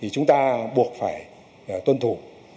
chúng ta buộc phải tuân thủ